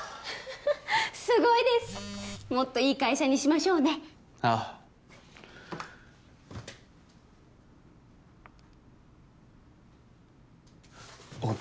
すごいですもっといい会社にしましょうねああおい